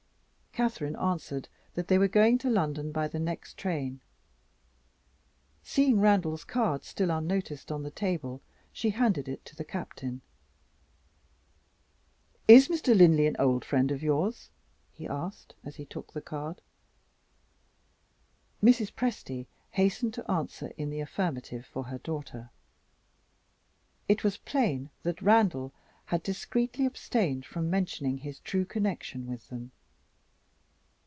Catherine answered that they were going to London by the next train. Seeing Randal's card still unnoticed on the table, she handed it to the Captain. "Is Mr. Linley an old friend of yours?" he asked, as he took the card. Mrs. Presty hastened to answer in the affirmative for her daughter. It was plain that Randal had discreetly abstained from mentioning his true connection with them.